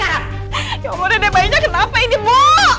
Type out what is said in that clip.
ya allah dede bayinya kenapa ini bu